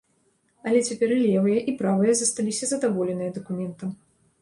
Але цяпер і левыя, і правыя засталіся задаволеныя дакументам.